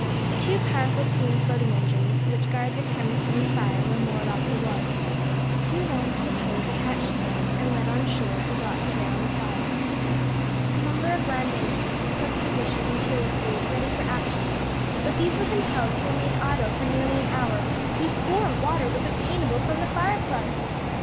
The two powerful steam floating engines which guard the Thames from fire were moored off the wharf, two lengths of hose attached to them, and led on shore and brought to bear on the fire. A number of land engines took up a position in Tooley Street, ready for action, but these were compelled to remain idle for nearly an hour before water was obtainable from the fire plugs.